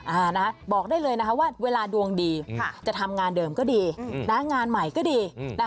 อ่าวนะบอกได้เลยว่าเวลาดวงดีจะทำงานเดิมก็ดีงานใหม่ก็ดี